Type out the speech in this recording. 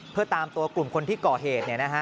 เพื่อตามตัวกลุ่มคนที่ก่อเหตุ